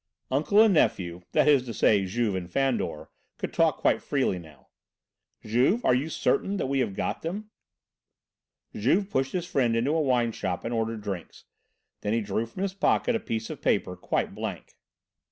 Uncle and nephew that is to say, Juve and Fandor could talk quite freely now. "Juve, are you certain that we have got them?" Juve pushed his friend into a wine shop and ordered drinks. He then drew from his pocket a piece of paper, quite blank.